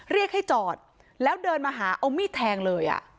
เรียกให้จอดแล้วเดินมาหาเอามีดแทงเลย